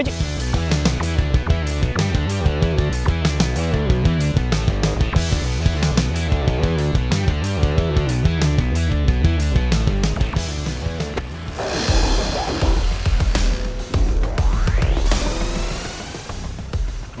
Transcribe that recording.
run cabut aja